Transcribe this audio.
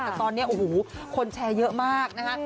แต่ตอนนี้คนแชร์เยอะมากนะฮะ